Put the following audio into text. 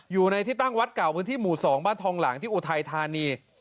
อยู่ในที่ตั้งวัดเก่าพื้นที่หมู่๒บ้านทองหลังที่อุทัยธานี